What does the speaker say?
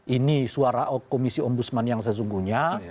ini suara komisi om busman yang sesungguhnya